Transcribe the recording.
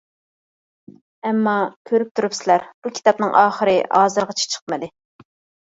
ئەمما، كۆرۈپ تۇرۇپسىلەر بۇ كىتابنىڭ ئاخىرى ھازىرغىچە چىقمىدى.